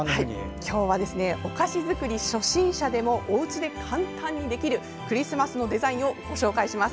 今日はお菓子作り初心者でもおうちで簡単にできるクリスマスのデザインをご紹介します！